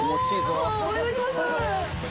おお願いします。